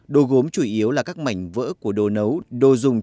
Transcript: đồ gốm chủ yếu là các mảnh vỡ của đồ nấu